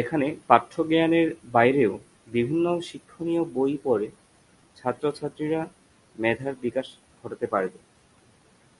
এখানে পাঠ্য জ্ঞানের বাইরেও বিভিন্ন শিক্ষনীয় বই পড়ে ছাত্রছাত্রীরা মেধার বিকাশ ঘটাতে পারবে।